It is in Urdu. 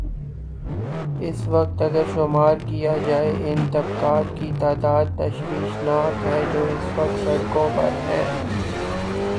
اس وقت اگر شمارکیا جائے، ان طبقات کی تعداد تشویش ناک ہے جو اس وقت سڑکوں پر ہیں۔